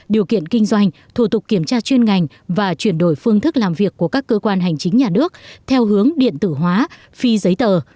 điều kiện kinh doanh thủ tục kiểm tra chuyên ngành và chuyển đổi phương thức làm việc của các cơ quan hành chính nhà nước theo hướng điện tử hóa phi giấy tờ